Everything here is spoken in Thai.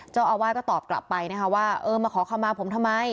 เจ้าอาวาสก็ตอบกลับไปว่ามาขอขมาผมทำไม